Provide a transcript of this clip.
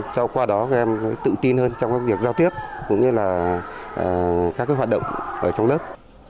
cho qua đó các em tự tin hơn trong các việc giao tiếp cũng như là các hoạt động ở trong lớp